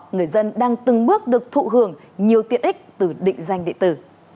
người dân đang từng bước được thụ hưởng nhiều tiện ích từ định danh địa tử